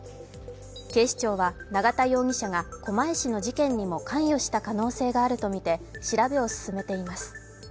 警視庁は永田容疑者が狛江市の事件にも関与した可能性があるとみて調べを進めています。